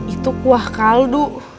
itu kuah kaldu